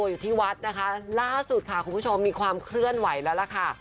อยู่ที่วัดนะคะล่าสุดค่ะคุณผู้ชมมีความเคลื่อนไหวแล้วล่ะค่ะ